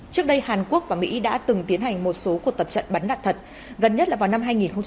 trước đây hàn quốc và mỹ đã từng tiến hành một số cuộc tập trận bắn đạn thật gần nhất là vào năm hai nghìn một mươi sáu